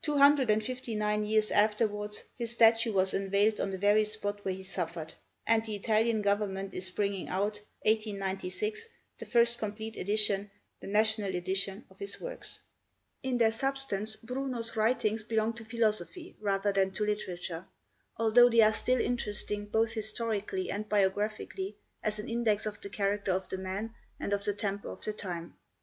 Two hundred and fifty nine years afterwards, his statue was unveiled on the very spot where he suffered; and the Italian government is bringing out (1896) the first complete edition, the 'National Edition,' of his works. In their substance Bruno's writings belong to philosophy rather than to literature, although they are still interesting both historically and biographically as an index of the character of the man and of the temper of the time.